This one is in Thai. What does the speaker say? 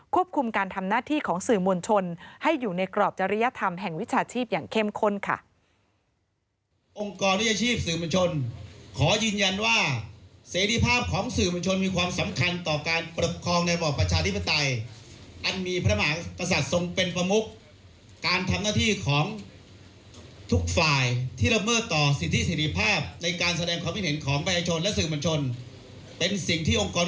คุมการทำหน้าที่ของสื่อมวลชนให้อยู่ในกรอบจริยธรรมแห่งวิชาชีพอย่างเข้มข้นค่ะ